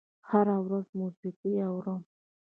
هره ورځ موسیقي اورم